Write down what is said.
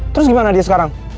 terus gimana dia sekarang